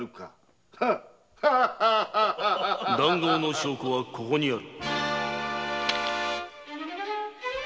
・談合の証拠はここにある！